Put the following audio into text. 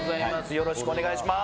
よろしくお願いします。